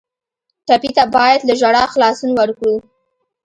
ټپي ته باید له ژړا خلاصون ورکړو.